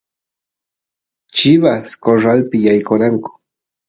chivas corralpi yaykoranku